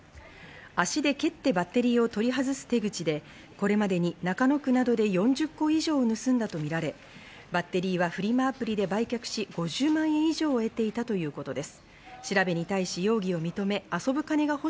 足で蹴ってバッテリーを取り外す手口でこれまでに中野区などで４０個以上盗んだとみられ、バッテリーはフリマアプリで売却し、５０万円以上、得ていたということです。